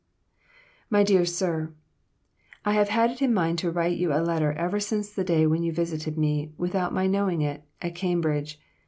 "MY DEAR SIR, I have had it in mind to write you a letter ever since the day when you visited me, without my knowing it, at Cambridge.